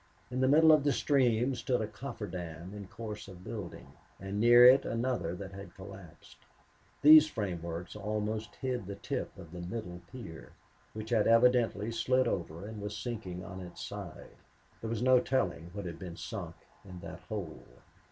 In the middle of the stream stood a coffer dam in course of building, and near it another that had collapsed. These frameworks almost hid the tip of the middle pier, which had evidently slid over and was sinking on its side. There was no telling what had been sunk in that hole.